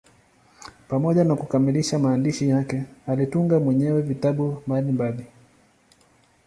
Pamoja na kukamilisha maandishi yake, alitunga mwenyewe vitabu mbalimbali.